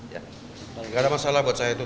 gak ada masalah buat saya itu